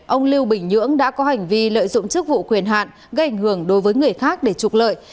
ông lưu bình nhưỡng đã có hành vi lợi dụng chức vụ quyền hạn gây ảnh hưởng đối với người khác để trục lợi